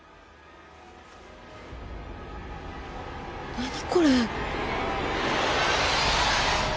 何これ？